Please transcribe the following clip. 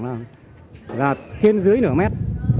là trên dưới nửa mét